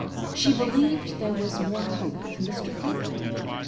She believed there was more hope of Mr. Redmain even.